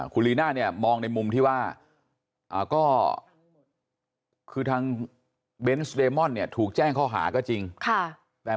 คุณลีน่าเนี่ยมองในมุมที่ว่า